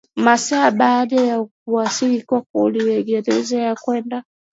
masaa baada ya kuwasili kwako Uingereza kwenda